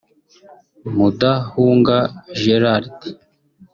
Mudahunga Gerald